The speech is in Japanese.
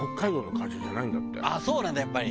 ああそうなんだやっぱり。